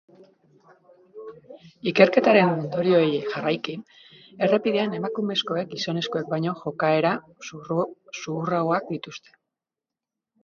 Ikerketaren ondorioei jarraiki, errepidean emakumezkoek gizonezkoek baino jokaera zuhurragoak dituzte.